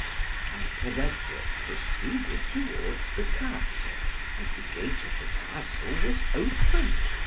And Peredur proceeded towards the Castle, and the gate of the Castle was open.